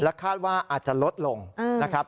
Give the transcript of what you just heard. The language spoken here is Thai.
คาดว่าอาจจะลดลงนะครับ